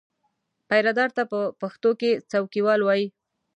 پیرهدار ته په پښتو کې څوکیوال وایي.